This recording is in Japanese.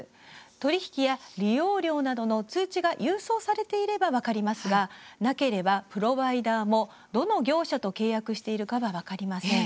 取り引きや利用料などの通知が郵送されていれば分かりますがなければ、プロバイダーもどの業者と契約しているかは分かりません。